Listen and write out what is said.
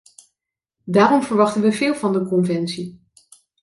Daarom verwachten wij veel van de conventie.